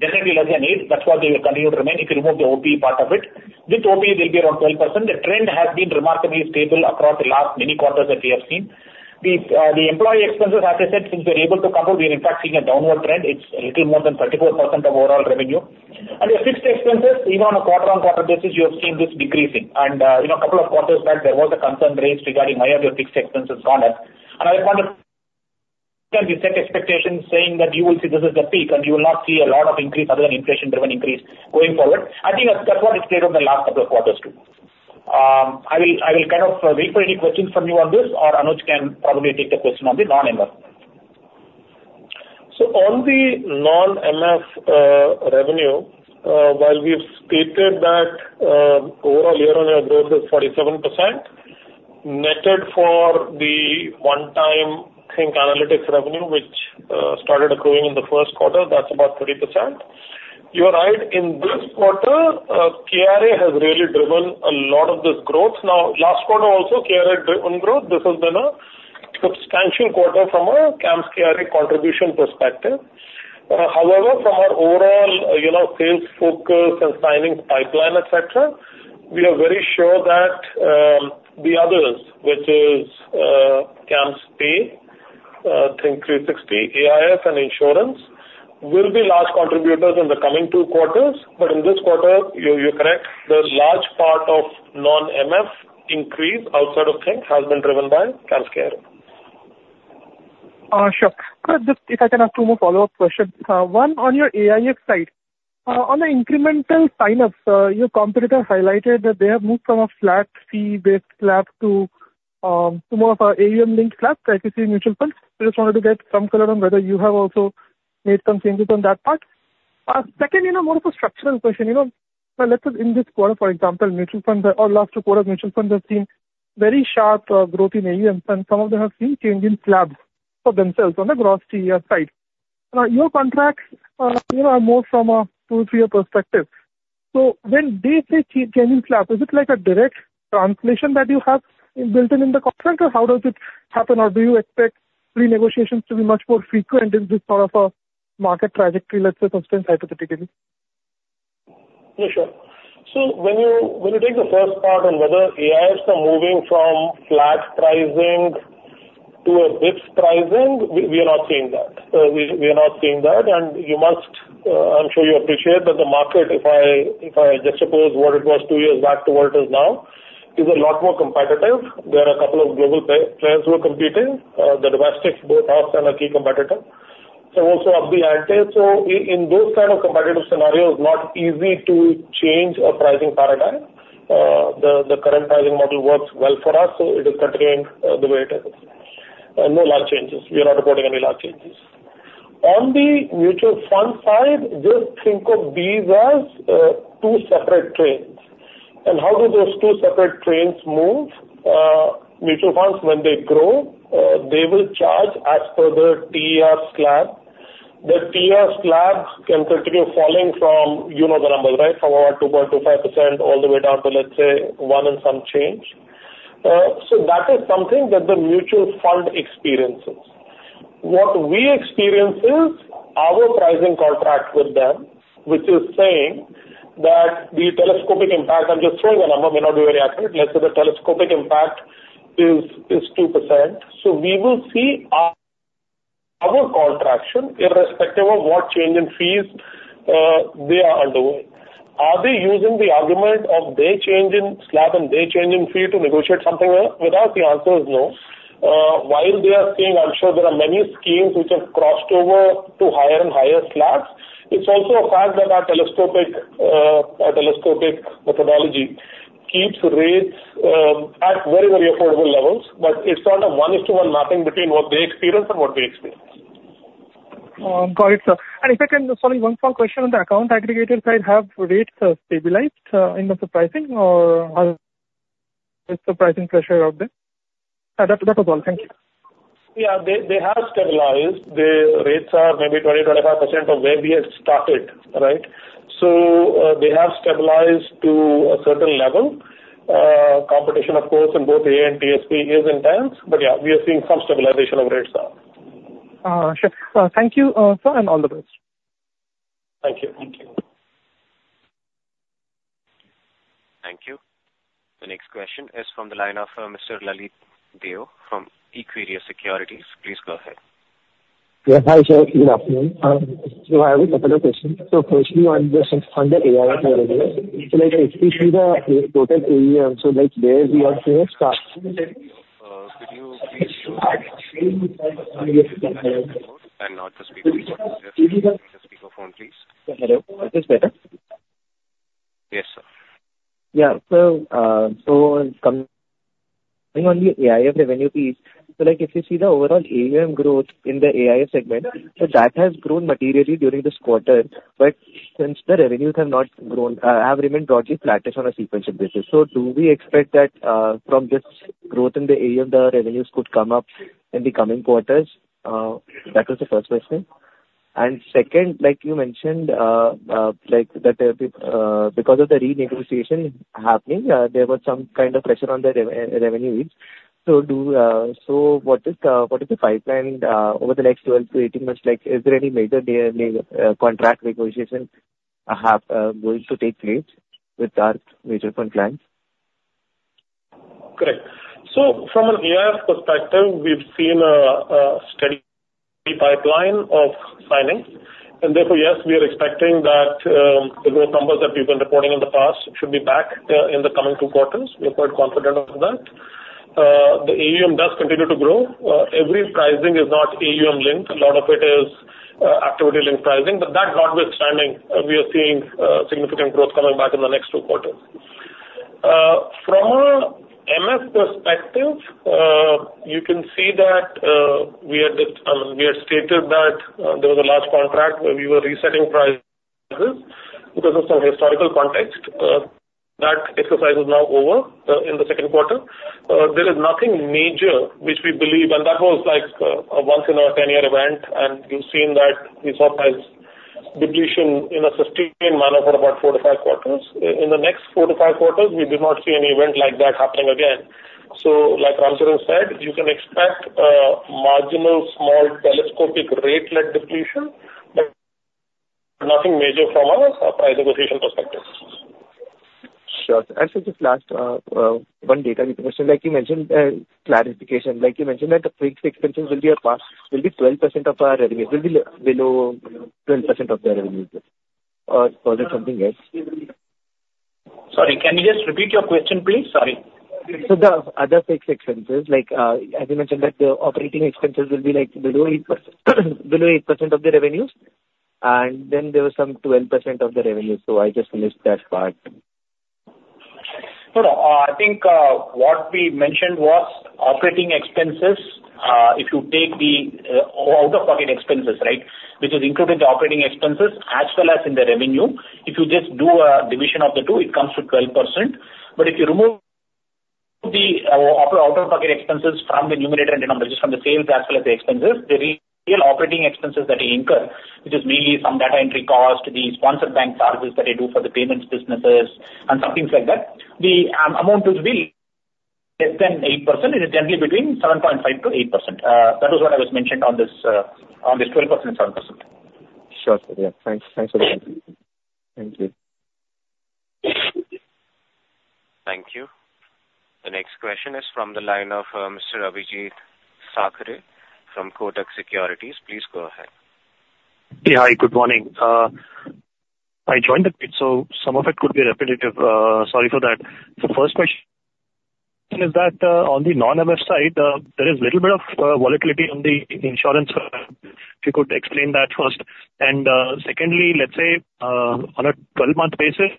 generally less than 8%. That's what they will continue to remain if you remove the OP part of it. With OP, it will be around 12%. The trend has been remarkably stable across the last many quarters that we have seen. The, the employee expenses, as I said, since we are able to come out, we are in fact seeing a downward trend. It's a little more than 34% of overall revenue. And your fixed expenses, even on a quarter-on-quarter basis, you have seen this decreasing. And, you know, a couple of quarters back, there was a concern raised regarding why have your fixed expenses gone up? I want to set expectations saying that you will see this as the peak, and you will not see a lot of increase other than inflation-driven increase going forward. I think that's, that's what it's been over the last couple of quarters, too. I will kind of wait for any questions from you on this, or Anuj can probably take the question on the non-MF. So on the non-MF revenue, while we've stated that overall year-on-year growth is 47%, netted for the one-time Think360 revenue, which started accruing in the first quarter, that's about 30%. You are right, in this quarter, KRA has really driven a lot of this growth. Now, last quarter also, KRA driven growth, this has been a substantial quarter from a CAMS KRA contribution perspective. However, from our overall, you know, sales focus and signing pipeline, et cetera, we are very sure that the others, which is CAMSPay, Think360, AIF, and Insurance, will be large contributors in the coming two quarters. But in this quarter, you, you're correct, the large part of non-MF increase outside of Think has been driven by CAMS KRA. Sure. Could just if I can ask two more follow-up questions. One, on your AIF side, on the incremental sign-ups, your competitor highlighted that they have moved from a flat fee-based slab to to more of a AUM-linked slab, like you see in mutual funds. I just wanted to get some color on whether you have also made some changes on that part. Second, you know, more of a structural question, you know. Now, let's say in this quarter, for example, mutual funds, or last two quarters, mutual funds have seen very sharp growth in AUM, and some of them have seen change in slabs for themselves on the gross TER side. Now, your contracts, you know, are more from a two, three-year perspective. So when they say change in slab, is it like a direct translation that you have built in the contract, or how does it happen? Or do you expect renegotiations to be much more frequent in this sort of a market trajectory, let's say, for instance, hypothetically? Yeah, sure. So when you take the first part on whether AIFs are moving from flat pricing to a tiered pricing, we are not seeing that. We are not seeing that, and you must, I'm sure you appreciate that the market, if I juxtapose what it was two years back to what it is now, is a lot more competitive. There are a couple of global players who are competing, the domestic, both us and a key competitor, so also us and KFin. So in those kind of competitive scenarios, it's not easy to change a pricing paradigm. The current pricing model works well for us, so it is contained the way it is. No large changes. We are not reporting any large changes. On the mutual fund side, just think of these as two separate trains. And how do those two separate trains move? Mutual funds, when they grow, they will charge as per the TER slab. The TER slabs can continue falling from, you know the number, right? From around 2.25% all the way down to, let's say, 1% and some change. So that is something that the mutual fund experiences. What we experience is our pricing contract with them, which is saying that the telescopic impact, I'm just throwing a number, may not be very accurate. Let's say the telescopic impact is 2%. So we will see our contraction irrespective of what change in fees they are underway. Are they using the argument of their change in slab and their change in fee to negotiate something else? With us, the answer is no. While they are seeing, I'm sure there are many schemes which have crossed over to higher and higher slabs, it's also a fact that our telescopic, our telescopic methodology keeps rates at very, very affordable levels. But it's not a one-to-one mapping between what they experience and what we experience. Got it, sir. If I can just follow one small question on the Account Aggregator side, have rates stabilized in terms of pricing, or is the pricing pressure out there? That was all. Thank you. Yeah. They, they have stabilized. The rates are maybe 20%-25% from where we had started, right? So, they have stabilized to a certain level. Competition, of course, in both AA and TSP is intense, but yeah, we are seeing some stabilization of rates now. Sure. Thank you, sir, and all the best. Thank you. Thank you. Thank you. The next question is from the line of Mr. Lalit Deo from Equirus Securities. Please go ahead. Yeah. Hi, sir. Good afternoon. So I have a couple of questions. So firstly, on the fund, the AIF revenue. So, like, if you see the total AUM, so, like, there we are seeing a sharp- Can you please use the handset and not just speak into your speakerphone, please? Hello. Is this better? Yes, sir. Yeah. So, so coming on the AIF revenue piece, so, like, if you see the overall AUM growth in the AIF segment, so that has grown materially during this quarter, but since the revenues have not grown, have remained broadly flattish on a sequential basis. So do we expect that, from this growth in the AUM, the revenues could come up in the coming quarters? That was the first question. And second, like you mentioned, like that, because of the renegotiation happening, there was some kind of pressure on the revenue yields. So do... So what is, what is the pipeline, over the next 12-18 months? Like, is there any major, contract negotiation, have, going to take place with our mutual fund clients? Correct. So, from an AIF perspective, we've seen a steady pipeline of signings, and therefore, yes, we are expecting that the growth numbers that we've been reporting in the past should be back in the coming two quarters. We're quite confident of that. The AUM does continue to grow. Every pricing is not AUM linked. A lot of it is activity linked pricing, but that notwithstanding, we are seeing significant growth coming back in the next two quarters. From a MF perspective, you can see that we are the, we had stated that there was a large contract where we were resetting prices because of some historical context. That exercise is now over in the second quarter. There is nothing major which we believe, and that was like a once-in-a-10-year event, and you've seen that we saw price depletion in a sustained manner for about four to five quarters. In the next four to five quarters, we do not see any event like that happening again. So, like Ramcharan said, you can expect marginal, small, telescopic rate-led depletion, but nothing major from a price negotiation perspective. Sure. And so just last, one data question. Like you mentioned, clarification, like you mentioned, that the fixed expenses will be a pass, will be 12% of our revenue, will be below 12% of the revenue. Or was it something else? Sorry, can you just repeat your question, please? Sorry. So the other fixed expenses, like, as you mentioned, that the operating expenses will be, like, below 8%, below 8% of the revenues, and then there was some 12% of the revenue. So I just missed that part. So, I think what we mentioned was operating expenses. If you take the out-of-pocket expenses, right? Which is included in the operating expenses as well as in the revenue. If you just do a division of the two, it comes to 12%. But if you remove the out-of-pocket expenses from the numerator and denominator, just from the sales as well as the expenses, the real operating expenses that you incur, which is mainly some data entry cost, the sponsor bank charges that they do for the payments businesses and some things like that. The amount will be less than 8%. It is generally between 7.5%-8%. That was what I was mentioning on this, on this 12%, 7%. Sure. Yeah. Thanks. Thanks for that. Thank you. Thank you. The next question is from the line of Mr. Abhijeet Sakhare from Kotak Securities. Please go ahead. Yeah, hi, good morning. I joined the bit, so some of it could be repetitive. Sorry for that. So, first question is that, on the non-MF side, there is little bit of volatility on the insurance. If you could explain that first. And, secondly, let's say, on a 12-month basis,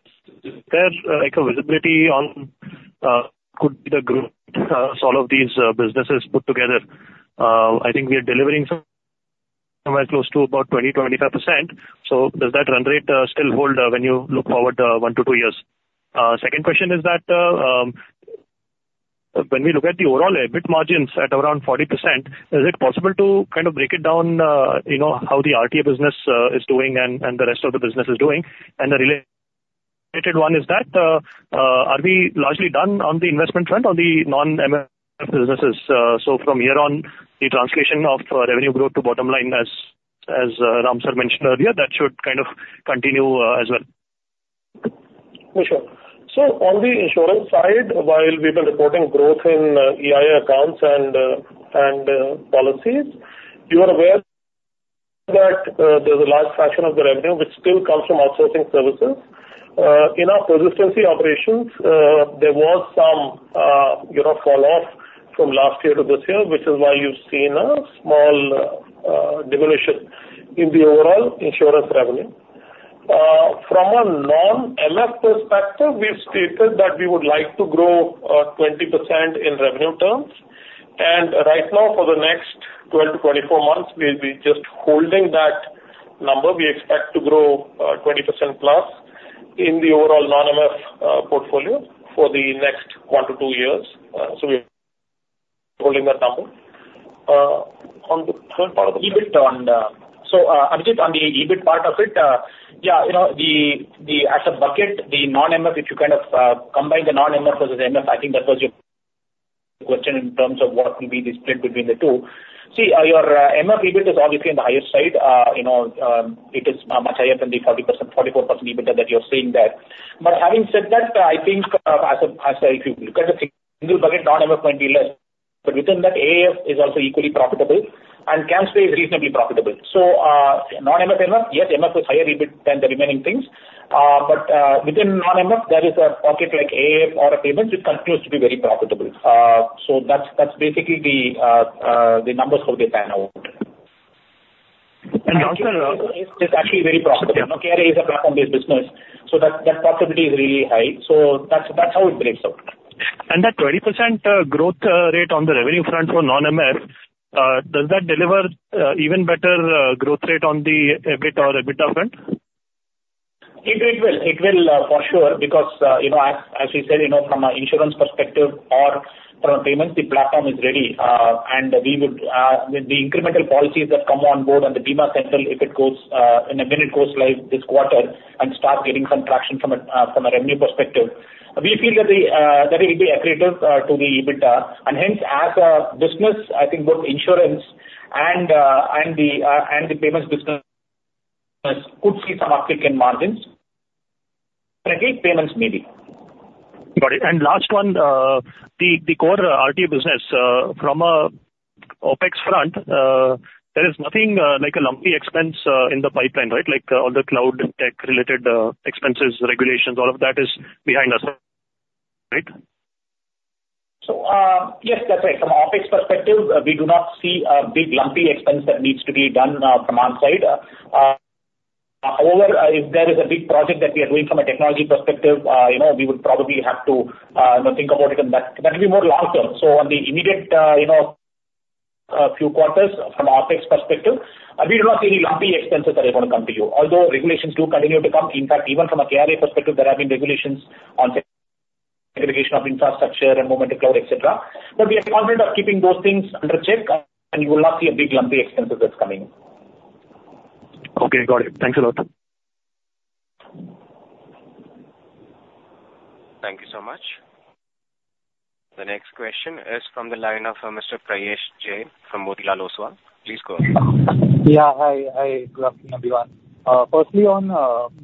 is there, like, a visibility on, could the group, solve these, businesses put together? I think we are delivering somewhere close to about 20%-25%. So, does that run rate, still hold, when you look forward, one to two years? Second question is that, when we look at the overall EBIT margins at around 40%, is it possible to kind of break it down, you know, how the RTA business is doing and the rest of the business is doing? The related one is that, are we largely done on the investment front on the non-MF businesses? So from here on, the translation of revenue growth to bottom line, as Ramcharan mentioned earlier, that should kind of continue, as well. For sure. So on the insurance side, while we've been reporting growth in eIA accounts and policies, you are aware that there's a large fraction of the revenue which still comes from outsourcing services. In our persistency operations, there was some, you know, falloff from last year to this year, which is why you've seen a small deterioration in the overall insurance revenue. From a non-MF perspective, we've stated that we would like to grow 20% in revenue terms. And right now, for the next 12-24 months, we'll be just holding that number. We expect to grow 20%+ in the overall non-MF portfolio for the next one to two years. So we're holding that number. On the third part of the EBIT on the. So, Abhijeet, on the EBIT part of it, yeah, you know, the as a bucket, the non-MF, if you kind of combine the non-MF versus MF, I think that was your question in terms of what will be the split between the two. See, your MF EBIT is obviously on the higher side. You know, it is much higher than the 40%, 44% EBIT that you're seeing there. But having said that, I think, as a if you look at the single bucket, non-MF might be less, but within that, AIF is also equally profitable and CAMSPay is reasonably profitable. So, non-MF, MF, yes, MF is higher EBIT than the remaining things. But within non-MF, there is a pocket like AIF or a payment, which continues to be very profitable. So that's, that's basically the numbers how they pan out. And also, It's actually very profitable. You know, AIF is a platform-based business, so that, that profitability is really high. So that's, that's how it breaks out. That 20% growth rate on the revenue front for non-MF does that deliver even better growth rate on the EBIT or EBITDA front? It will. It will, for sure, because, you know, as we said, you know, from an insurance perspective or from a payments, the platform is ready. And we would, with the incremental policies that come on board and the Bima Central, if it goes, and then when it goes live this quarter and start getting some traction from a, from a revenue perspective, we feel that it will be accretive to the EBITDA. And hence, as a business, I think both insurance and the payments business but could see some uptick in margins and late payments maybe. Got it. And last one, the core RTA business, from a OpEx front, there is nothing, like a lumpy expense, in the pipeline, right? Like, all the cloud and tech related, expenses, regulations, all of that is behind us, right? So, yes, that's right. From an OpEx perspective, we do not see a big lumpy expense that needs to be done, from our side. However, if there is a big project that we are doing from a technology perspective, you know, we would probably have to, you know, think about it, and that, that will be more long term. So on the immediate, you know, few quarters from an OpEx perspective, we do not see any lumpy expenses that are going to come to you. Although regulations do continue to come. In fact, even from a KYC perspective, there have been regulations on infrastructure and movement to cloud, et cetera. But we are confident of keeping those things under check, and you will not see a big lumpy expenses that's coming. Okay, got it. Thanks a lot. Thank you so much. The next question is from the line of Mr. Prayesh Jain from Motilal Oswal. Please go ahead. Yeah, hi. Hi, good afternoon, everyone. Firstly, on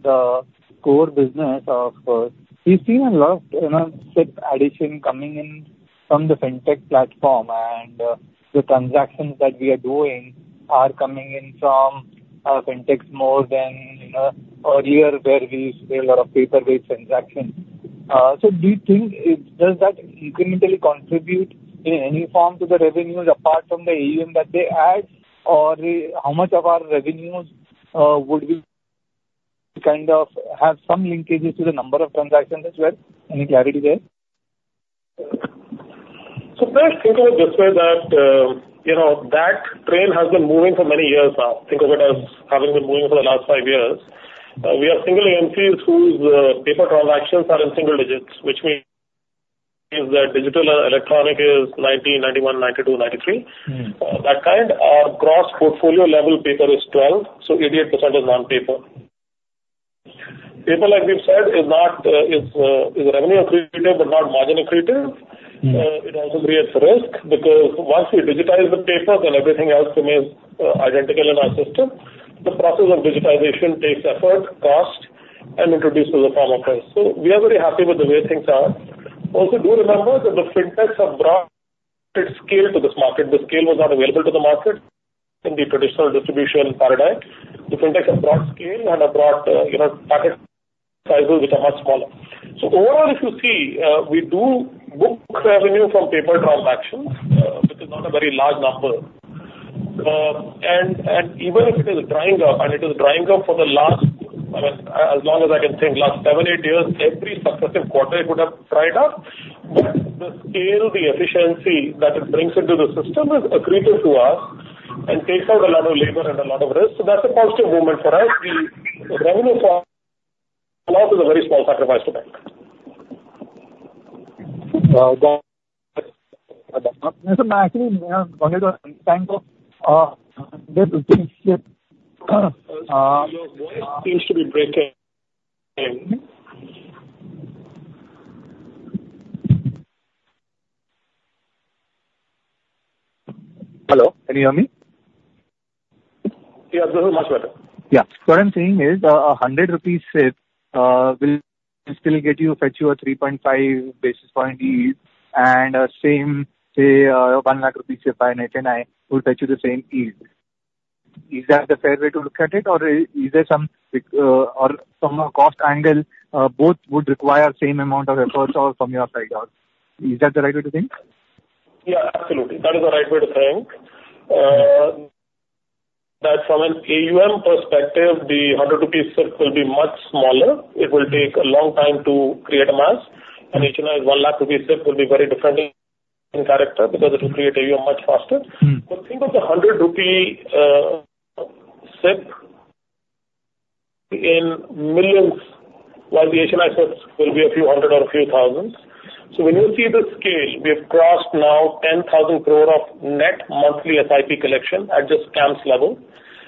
the core business of, we've seen a lot, you know, SIP addition coming in from the Fintech platform, and the transactions that we are doing are coming in from Fintech more than, you know, earlier, where we see a lot of paper-based transactions. So do you think it... Does that incrementally contribute in any form to the revenues, apart from the AUM that they add? Or how much of our revenues would be, kind of, have some linkages to the number of transactions as well? Any clarity there? First, think of it this way, that, you know, that train has been moving for many years now. Think of it as having been moving for the last five years. We are seeing AMCs whose paper transactions are in single digits, which means that digital and electronic is 90, 91, 92, 93 that kind our gross portfolio level paper is 12, so 88% is non-paper. Paper, like we've said, is not revenue accretive, but not margin accretive. It also creates risk, because once we digitize the papers and everything else remains identical in our system, the process of digitization takes effort, cost, and introduces a form of risk. So, we are very happy with the way things are. Also, do remember that the Fintechs have brought scale to this market. The scale was not available to the market in the traditional distribution paradigm. The Fintechs have brought scale and have brought, you know, packet sizes which are much smaller. So overall, if you see, we do book revenue from paper transactions, which is not a very large number. And, and even if it is drying up, and it is drying up for the last, I mean, as long as I can think, last seven, eight years, every successive quarter it would have dried up. But the scale, the efficiency that it brings into the system is accretive to us and takes out a lot of labor and a lot of risk. So that's a positive movement for us. The revenue from loss is a very small sacrifice to make. Your voice seems to be breaking in. Hello, can you hear me? Yes, sir. Much better. Yeah. What I'm saying is, a 100 rupees SIP will still get you, fetch you a 3.5 basis point yield, and, same, say, a 100,000 rupees SIP by HNI will fetch you the same yield. Is that the fair way to look at it, or is there some, or from a cost angle, both would require same amount of efforts or from your side on? Is that the right way to think? Yeah, absolutely. That is the right way to think. That from an AUM perspective, the 100 rupees SIP will be much smaller. It will take a long time to create a mass. An HNI 100,000 rupees SIP will be very different in, in character because it will create AUM much faster. But think of the 100 rupee SIP in millions, while the HNI SIPs will be a few hundred or a few thousands. So when you see the scale, we have crossed now 10,000 crore of net monthly SIP collection at just CAMS level.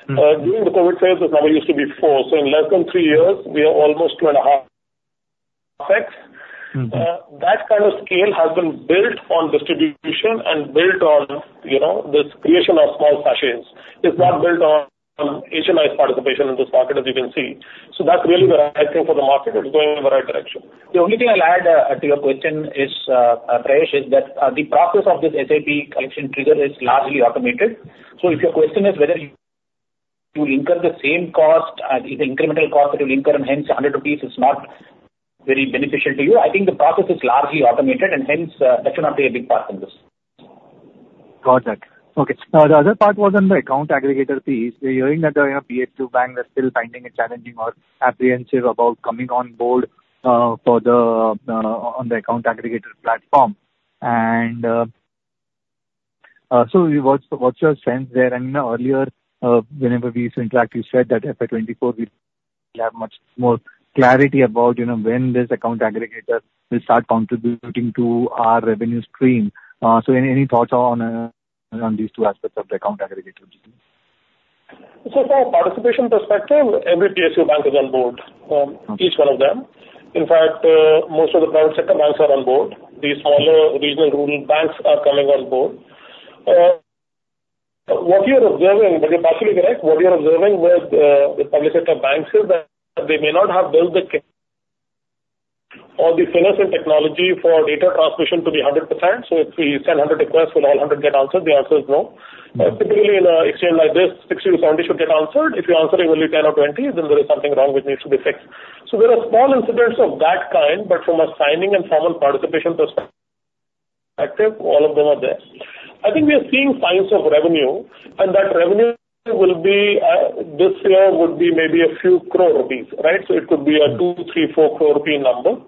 During the COVID phase, this number used to be four. So in less than three years, we are almost 2.5. That kind of scale has been built on distribution and built on, you know, this creation of small sachets. It's not built on HNI participation in this market, as you can see. That's really the right thing for the market. It's going in the right direction. The only thing I'll add to your question is, Prayesh, is that the process of this SIP collection trigger is largely automated. So if your question is whether you incur the same cost, the incremental cost that you'll incur, and hence 100 rupees is not very beneficial to you, I think the process is largely automated, and hence, that should not be a big part in this. Got that. Okay. The other part was on the Account Aggregator piece. We're hearing that the PSU banks are still finding it challenging or apprehensive about coming on board for the Account Aggregator platform. And so, what's your sense there? And you know, earlier whenever we used to interact, you said that FY 2024 we'd have much more clarity about you know, when this Account Aggregator will start contributing to our revenue stream. So, any thoughts on these two aspects of the Account Aggregator? So from a participation perspective, every PSU bank is on board. Each one of them. In fact, most of the private sector banks are on board. The smaller regional rural banks are coming on board. What you're observing, but you're partially correct. What you're observing with the public sector banks is that they may not have built the or the finesse and technology for data transmission to be 100%. So if we send 100 requests, will all 100 get answered? The answer is no. Typically, in an exchange like this, 60-70 should get answered. If you're answering only 10 or 20, then there is something wrong which needs to be fixed. So there are small incidents of that kind, but from a signing and formal participation perspective, all of them are there. I think we are seeing signs of revenue, and that revenue will be this year would be maybe a few crore INR, right? So it could be a 2, 3, 4 crore rupee number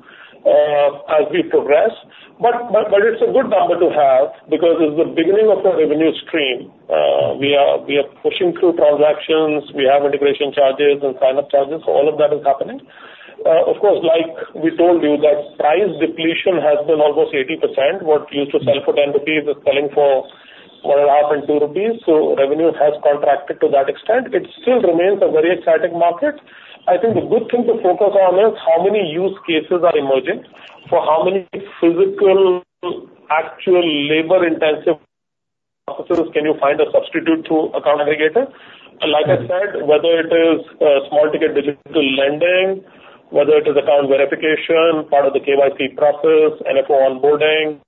as we progress. But, but, but it's a good number to have, because it's the beginning of a revenue stream. We are pushing through transactions, we have integration charges and sign-up charges, so all of that is happening. Of course, like we told you, that price depletion has been almost 80%. What used to sell for 10 rupees is selling for 1.5 and 2, so revenue has contracted to that extent. It still remains a very exciting market. I think the good thing to focus on is how many use cases are emerging. For how many physical, actual labor-intensive officers can you find a substitute to Account Aggregator? Like I said, whether it is small ticket digital lending, whether it is account verification, part of the KYC process, NFO onboarding,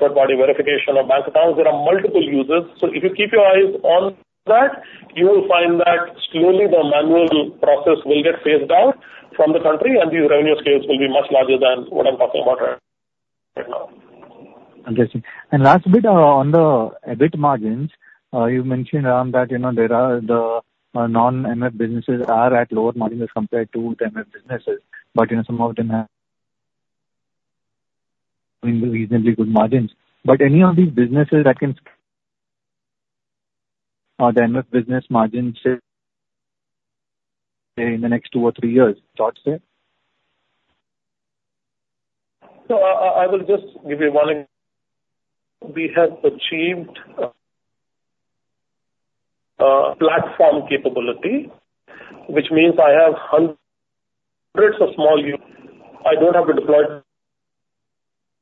third party verification of bank accounts, there are multiple uses. So if you keep your eyes on that, you will find that slowly the manual process will get phased out from the country, and these revenue scales will be much larger than what I'm talking about right, right now. Interesting. And last bit, on the EBIT margins. You mentioned on that, you know, there are the non-MF businesses are at lower margins compared to the MF businesses, but, you know, some of them have reasonably good margins. But any of these businesses that can or the MF business margins say, in the next two or three years, thoughts there? So, I will just give you one. We have achieved platform capability, which means I have hundreds of small units. I don't have to deploy.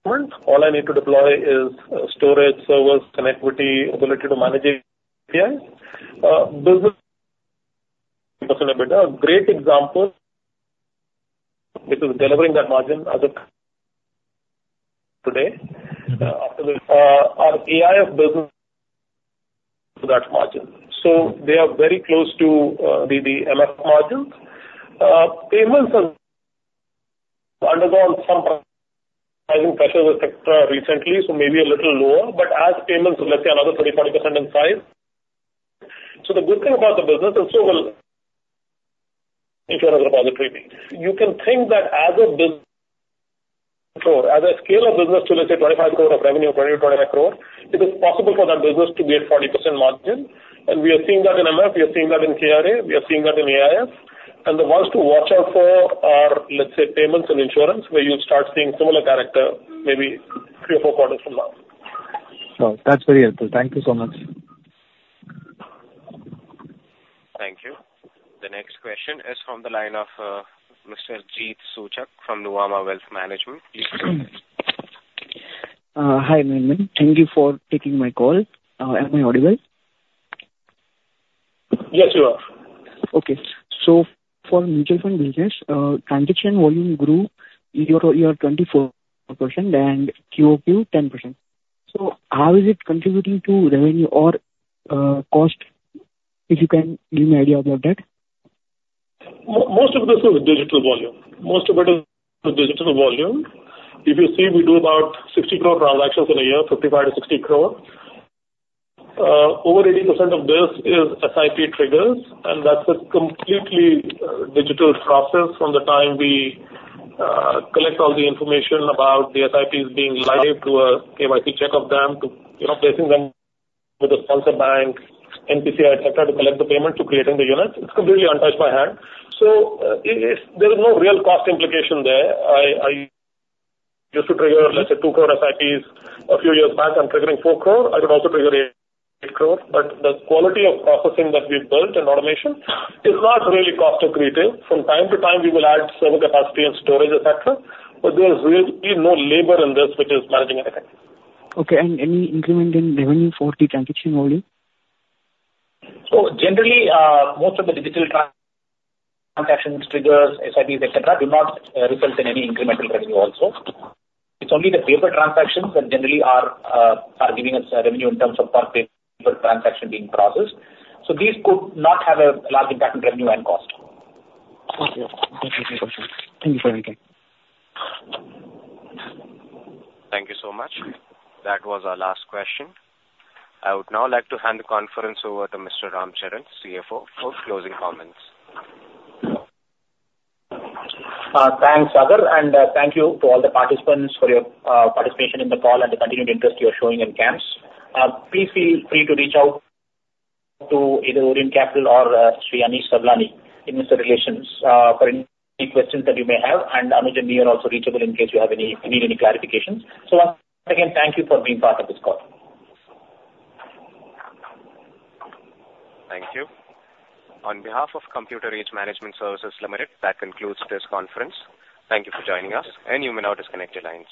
All I need to deploy is storage, servers, connectivity, ability to manage APIs, businesses start delivering 40% EBITDA, a great example is our KRA business, which is delivering that margin as of today. After the recent scale up, our AIF business is very close to that margin. So, they are very close to the MF margins. Payments have undergone some pricing pressures, et cetera, recently, so maybe a little lower, but as payments will let's say, another 30%-40% in size. So, the good thing about the business is so will insurance repository. You can think that as a bus- so as a scale of business to, let's say, 25 crore of revenue, 20-25 crore, it is possible for that business to be at 40% margin. We are seeing that in MF, we are seeing that in KRA, we are seeing that in AIF. The ones to watch out for are, let's say, payments and insurance, where you'll start seeing similar character, maybe three or four quarters from now. So that's very helpful. Thank you so much. Thank you. The next question is from the line of Mr. Jeet Suchak from Nuvama Wealth Management. Hi, Narendran, thank you for taking my call. Am I audible? Yes, you are. Okay. So for mutual fund business, transaction volume grew year-over-year 24% and QOQ 10%. So how is it contributing to revenue or cost? If you can give me an idea about that. Most of this is digital volume. Most of it is the digital volume. If you see, we do about 60 crore transactions in a year, 55-60 crore. Over 80% of this is SIP triggers, and that's a completely digital process from the time we collect all the information about the SIPs being live to a KYC check of them, to, you know, placing them with a sponsor bank, NPCI, et cetera, to collect the payment to creating the units. It's completely untouched by hand. So, it is... There is no real cost implication there. I used to trigger, let's say, 2 crore SIPs a few years back, I'm triggering 4 crores. I could also trigger 8 crores, but the quality of processing that we've built in automation is not really cost accretive. From time to time, we will add server capacity and storage, et cetera, but there is really no labor in this, which is managing anything. Okay, and any increment in revenue for the transaction volume? So generally, most of the digital transactions, triggers, SIPs, et cetera, do not result in any incremental revenue also. It's only the paper transactions that generally are giving us revenue in terms of per paper transaction being processed. So these could not have a large impact on revenue and cost. Okay. Thank you for your time. Thank you so much. That was our last question. I would now like to hand the conference over to Mr. Ramcharan, CFO, for closing comments. Thanks, Sagar, and thank you to all the participants for your participation in the call and the continued interest you are showing in CAMS. Please feel free to reach out to either Orient Capital or Anish Sawlani in investor relations for any questions that you may have, and Anuj and me are also reachable in case you have any, you need any clarifications. So once again, thank you for being part of this call. Thank you. On behalf of Computer Age Management Services Limited, that concludes this conference. Thank you for joining us, and you may now disconnect your lines.